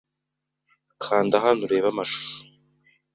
kanda hano urebe amashusho